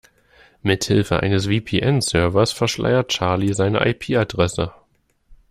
Mithilfe eines VPN-Servers verschleiert Charlie seine IP-Adresse.